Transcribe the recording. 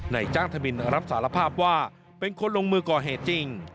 จ้างทะบินรับสารภาพว่าเป็นคนลงมือก่อเหตุจริง